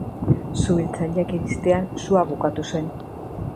Suhiltzaileak iristean sua bukatu zen.